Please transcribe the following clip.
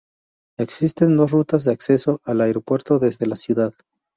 Existen dos rutas de acceso al aeropuerto desde la ciudad.